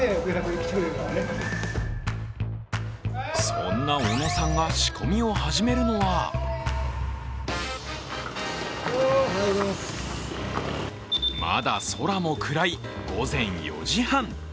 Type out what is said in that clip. そんな小野さんが仕込みを始めるのはまだ空も暗い午前４時半。